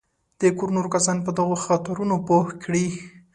د کور نور کسان په دغو خطرونو پوه کړي.